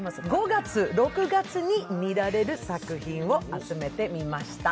５月、６月に見られる作品を集めてみました。